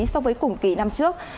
so với cùng kỳ năm trước